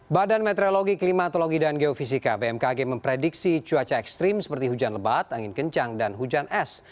badan meteorologi klimatologi dan geofisika bmkg memprediksi cuaca ekstrim seperti hujan lebat angin kencang dan hujan es